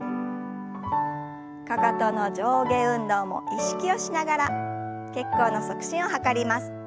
かかとの上下運動も意識をしながら血行の促進を図ります。